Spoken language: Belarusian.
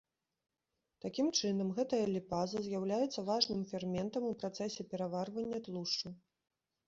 Такім чынам, гэтая ліпаза з'яўляецца важным ферментам у працэсе пераварвання тлушчаў.